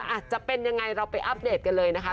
อาจจะเป็นยังไงเราไปอัปเดตกันเลยนะคะ